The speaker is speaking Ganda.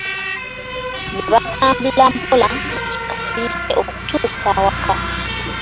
Ne batambula mpola mu kasirise okutuuka awaka.